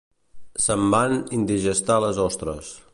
Se'm van indigestar les ostres.